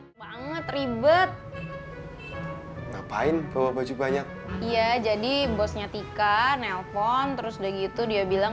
hai banget ribet ngapain bawa baju banyak iya jadi bosnya tika nelpon terus udah gitu dia bilang